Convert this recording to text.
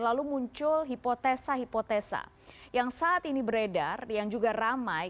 lalu muncul hipotesa hipotesa yang saat ini beredar yang juga ramai